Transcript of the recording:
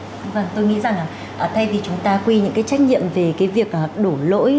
vâng tôi nghĩ rằng thay vì chúng ta quy những cái trách nhiệm về cái việc đổ lỗi